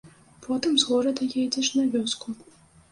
Потым з горада едзеш на вёску.